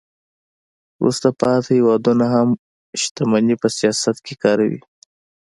وروسته پاتې هیوادونه هم شتمني په سیاست کې کاروي